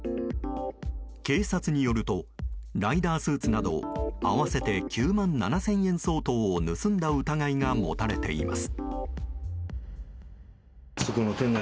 警察によるとライダースーツなど合わせて９万７０００円相当を盗んだ疑いが持たれています。